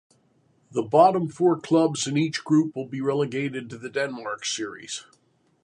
The bottom four clubs in each group will be relegated to the Denmark Series.